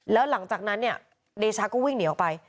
แล้วหลังจากนั้นเนี่ยเดชาก็วิ่งหนีออกไป